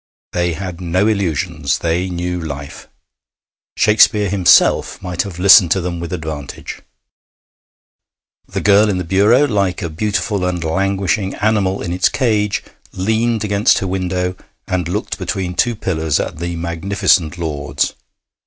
They had no illusions; they knew life. Shakespeare himself might have listened to them with advantage. The girl in the bureau, like a beautiful and languishing animal in its cage, leaned against her window, and looked between two pillars at the magnificent lords.